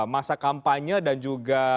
masa kampanye dan juga